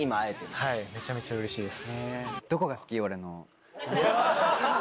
はいめちゃめちゃうれしいです。